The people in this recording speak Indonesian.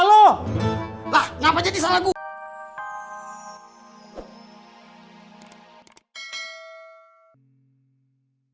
lah ngapa jadi salah gua